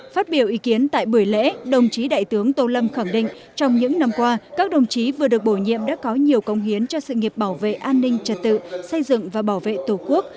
phát biểu ý kiến tại buổi lễ đồng chí đại tướng tô lâm khẳng định trong những năm qua các đồng chí vừa được bổ nhiệm đã có nhiều công hiến cho sự nghiệp bảo vệ an ninh trật tự xây dựng và bảo vệ tổ quốc